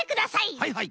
はいはい。